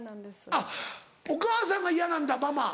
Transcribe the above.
あっお母さんが嫌なんだ「ママ」。